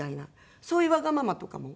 そういうわがままとかも。